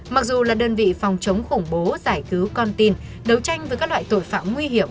mặc dù là đơn vị phòng chống khủng bố giải cứu con tin đấu tranh với các loại tội phạm nguy hiểm